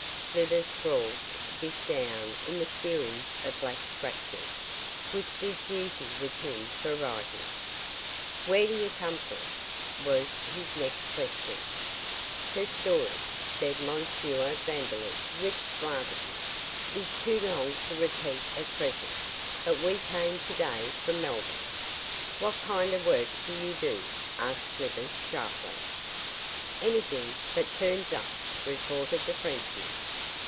Slivers scrawled this down in the series of black scratches, which did duty with him for writing. 'Where do you come from?' was his next question. 'The story,' said M. Vandeloup, with suavity, 'is too long to repeat at present; but we came to day from Melbourne.' 'What kind of work can you do?' asked Slivers, sharply. 'Anything that turns up,' retorted the Frenchman.